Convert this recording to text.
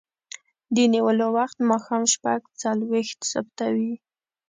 د نیولو وخت ماښام شپږ څلویښت ثبتوي.